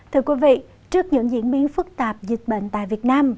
thưa quý vị trước những diễn biến phức tạp dịch bệnh tại việt nam